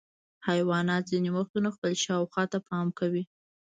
حیوانات ځینې وختونه خپل شاوخوا ته پام کوي.